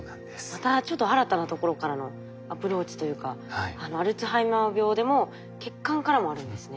またちょっと新たなところからのアプローチというかアルツハイマー病でも血管からもあるんですね。